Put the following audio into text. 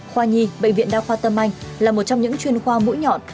khoa nhi bệnh viện đa khoa tâm anh là một trong những chuyên khoa mũi nhọn